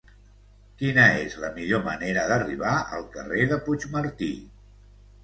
Quina és la millor manera d'arribar al carrer de Puigmartí?